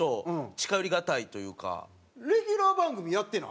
レギュラー番組やってない？